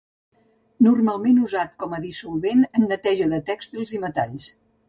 Normalment usat com a dissolvent en neteja de tèxtils i metalls.